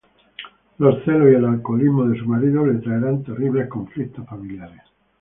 Los celos y el alcoholismo de su marido le traerán terribles conflictos familiares.